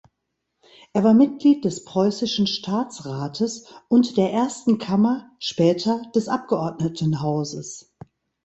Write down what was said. Er war Mitglied des Preußischen Staatsrates und der Ersten Kammer, später des Abgeordnetenhauses.